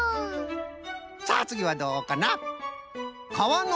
さあつぎはどうかな？